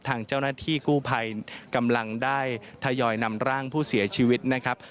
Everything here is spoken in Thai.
ทางเจ้าหน้าที่กู้ภัยกำลังได้ทยอยนำร่างผู้เสียชีวิตนะครับ